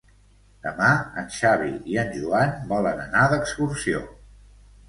Demà en Xavi i en Joan volen anar d'excursió.